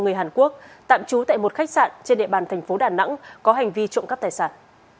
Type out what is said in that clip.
người hàn quốc tạm trú tại một khách sạn trên địa bàn thành phố đà nẵng có hành vi trộm cắp tài sản